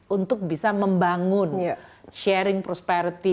untuk bisa membangun sharing prosperity